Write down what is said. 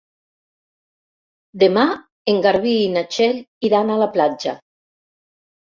Demà en Garbí i na Txell iran a la platja.